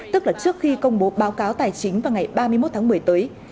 tức là trước khi công bố báo cáo tài chính vào ngày ba mươi một tháng một mươi tới